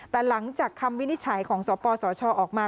แต่หลังจากคำวินิจฉัยของสปสชออกมา